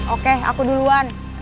oke aku duluan